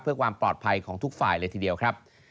เพื่อความปลอดภัยของทุกฝ่ายเลยทีเดียวครับ